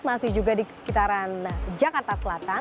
masih juga di sekitaran jakarta selatan